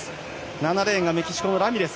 ７レーンがメキシコのラミレス。